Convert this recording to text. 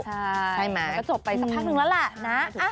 ใช่มันก็จบไปสักพักนึงแล้วล่ะ